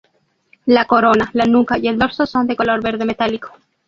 La corona, la nuca y el dorso son de color verde metálico.